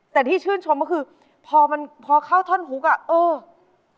แต่ที่ชื่นชมก็คือพอเข้าข้อนหูก่อน